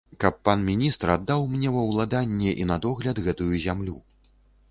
Каб пан міністр аддаў мне ва ўладанне і на догляд гэтую зямлю.